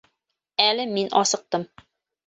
Әле мин асыҡтым.